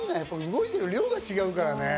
動いてる量が違うからね。